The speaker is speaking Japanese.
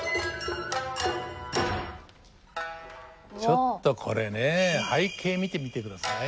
ちょっとこれね背景見てみてください。